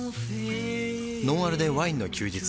「ノンアルでワインの休日」